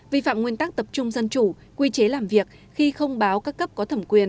vi phạm nguyên tắc tập trung dân chủ quy chế làm việc khi không báo các cấp có thẩm quyền